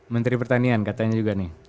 menteri pertanian katanya juga nih